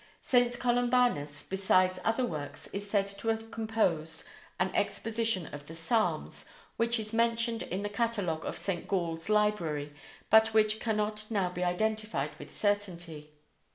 St. Columbanus, besides other works, is said to have composed an exposition of the Psalms, which is mentioned in the catalogue of St. Gall's library, but which cannot now be identified with certainty.